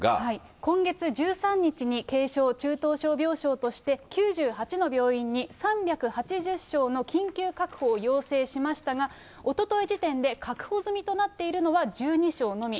今月１３日に、軽症、中等症病床として９８の病院に３８０床の緊急確保を要請しましたが、おととい時点で確保済みとなっているのは１２床のみ。